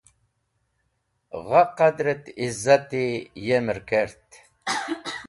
Gha qadr et izati yemer kert.